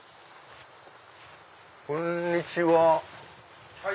こんにちは。